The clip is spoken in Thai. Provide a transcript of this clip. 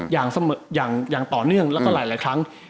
อย่างต่อเนื่องแล้วก็หลายครั้ง